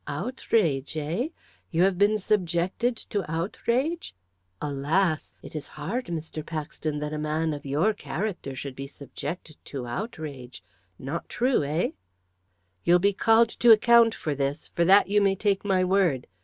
"Outrage eh? You have been subjected to outrage? Alas! It is hard, Mr. Paxton, that a man of your character should be subjected to outrage not true eh?" "You'll be called to account for this, for that you may take my word.